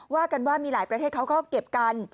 ว่ากันว่ามีหลายประเทศเขาก็เก็บกัน